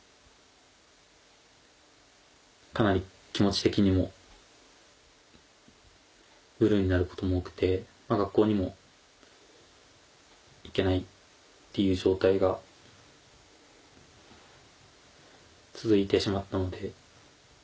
かなり気持ち的にもブルーになることも多くて学校にも行けないっていう状態が続いてしまったので。